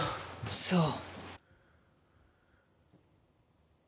そう。